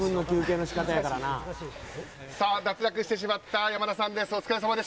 脱落してしまった山田さんです。